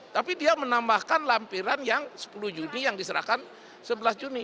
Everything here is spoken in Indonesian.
tapi dia menambahkan lampiran yang sepuluh juni yang diserahkan sebelas juni